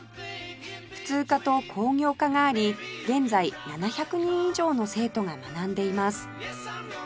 普通科と工業科があり現在７００人以上の生徒が学んでいます